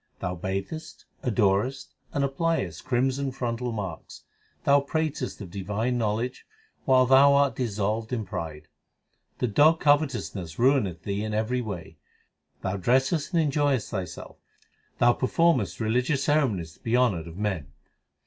Thou bathest, adorest, and appliest crimson frontal marks. Thou pratest of divine knowledge while thou art dissolved in pride. The dog covetousness ruineth thee in every way ; Thou dressest and enjoyest thyself ; Thou performest religious ceremonies to be honoured of men.